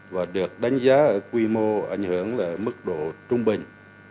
và được đánh giá ở quy mô ảnh hưởng là mức độ trung bình